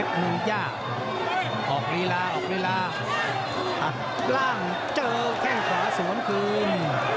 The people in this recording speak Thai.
ทุกร่างเจอแข้งขวาสวนคืน